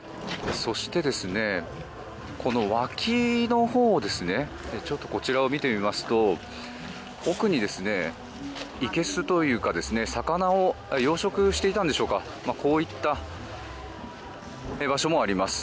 この脇のほうを見てみますと奥にいけすというか魚を養殖していたんでしょうかこういった場所もあります。